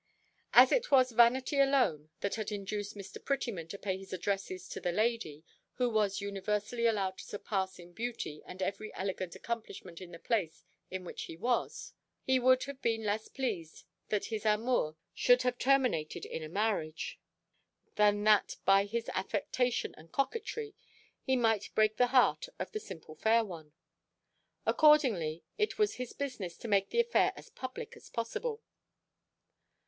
As it was vanity alone, that had induced Mr. Prettyman to pay his addresses to the lady, who was universally allowed to surpass in beauty and every elegant accomplishment in the place in which he was, he would have been less pleased that his amour should have terminated in a marriage, than that by his affectation and coquetry he might break the heart of the simple fair one. Accordingly, it was his business to make the affair as public as possible.